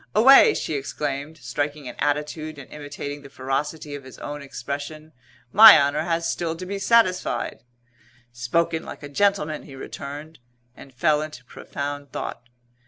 "Away!" she exclaimed, striking an attitude and imitating the ferocity of his own expression, "My honour has still to be satisfied!" "Spoken like a gentleman!" he returned, and fell into profound thought.